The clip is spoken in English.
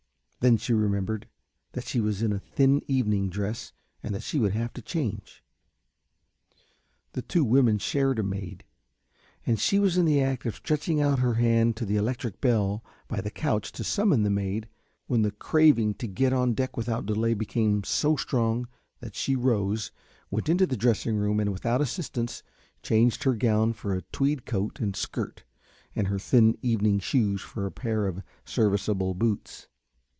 Then she remembered that she was in a thin evening dress and that she would have to change. The two women shared a maid, and she was in the act of stretching out her hand to the electric bell by the couch to summon the maid, when the craving to get on deck without delay became so strong that she rose, went into the dressing room and, without assistance, changed her gown for a tweed coat and skirt and her thin evening shoes for a pair of serviceable boots.